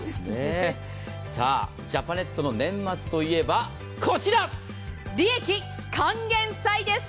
ジャパネットの年末といえば利益還元祭です。